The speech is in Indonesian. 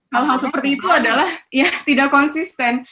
hal hal seperti itu adalah ya tidak konsisten